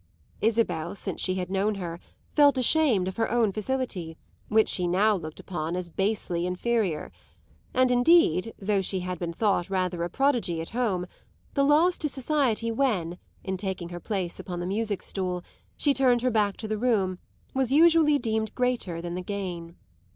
Isabel, since she had known her, felt ashamed of her own facility, which she now looked upon as basely inferior; and indeed, though she had been thought rather a prodigy at home, the loss to society when, in taking her place upon the music stool, she turned her back to the room, was usually deemed greater than the gain.